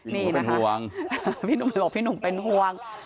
นี่นะคะพี่หนุ่มมาบอกว่าพี่หนุ่มเป็นห่วง